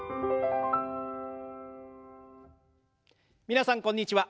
皆さんこんにちは。